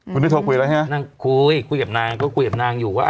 คุณนี่เถอะคุยแล้วไงนางนั่งคุยกลับนางก็กลับนางอยู่ว่า